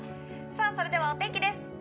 さぁそれではお天気です。